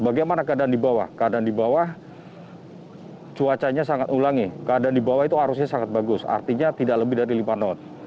bagaimana keadaan di bawah keadaan di bawah cuacanya sangat ulangi keadaan di bawah itu arusnya sangat bagus artinya tidak lebih dari lima knot